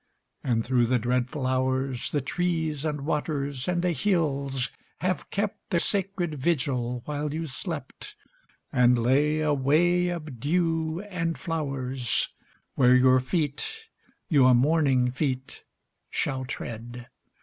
And through the dreadful hours The trees and waters and the hills have kept The sacred vigil while you slept, And lay a way of dew and flowers Where your feet, your morning feet, shall tread.